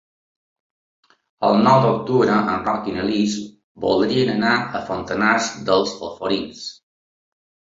El nou d'octubre en Roc i na Lis voldrien anar a Fontanars dels Alforins.